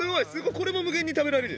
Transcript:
これも無限に食べられる。